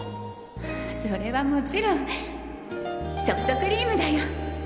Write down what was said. それはもちろんソフトクリームだよ